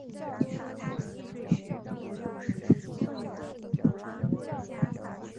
伊凡氏叶螨为叶螨科叶螨属下的一个种。